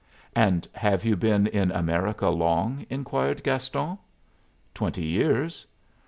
"And have you been in America long?" inquired Gaston. "Twenty years."